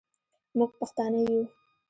موږ پښتانه یو.